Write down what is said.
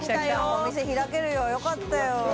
お店開けるよよかったよ。